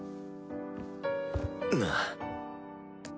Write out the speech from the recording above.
なあ。